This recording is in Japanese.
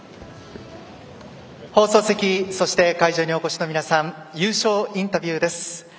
放送席、そして会場にお越しの皆さん優勝インタビューです。